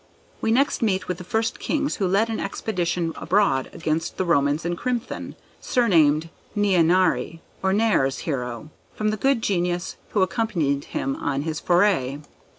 We next meet with the first king who led an expedition abroad against the Romans in Crimthan, surnamed Neea Naari, or Nair's Hero, from the good genius who accompanied him on his foray.